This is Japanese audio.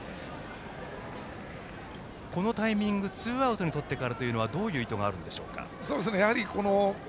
このタイミングツーアウトをとってからはどういう意図があるんでしょうか。